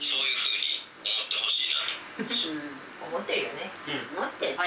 思ってるよね。